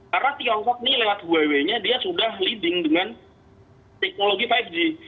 karena tiongkok ini lewat huawei nya dia sudah leading dengan teknologi lima g